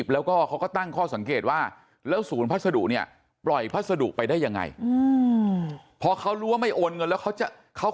เพราะเขารู้ว่าไม่โอนเงินแล้วเขา